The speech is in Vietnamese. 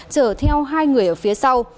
chở theo hai người ở phía sau